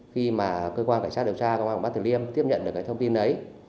khi mà cơ quan cảnh sát điều tra công an quận bắc tử liêm tiếp nhận được cái thông tin đấy